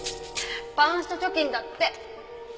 パンスト貯金だって。